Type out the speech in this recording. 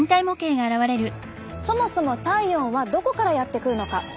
そもそも体温はどこからやってくるのか？